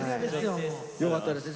よかったですね。